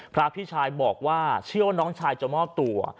พระพี่ชายบอกว่าเชื่อว่าน้องชายจะมอบตัว